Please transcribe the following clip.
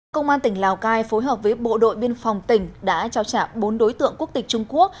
công an tỉnh lào cai phối hợp với bộ đội biên phòng tỉnh đã trao trả bốn đối tượng quốc tịch trung quốc